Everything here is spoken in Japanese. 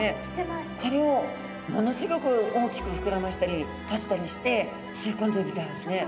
これをものすギョく大きく膨らましたり閉じたりして吸い込んでるみたいですね。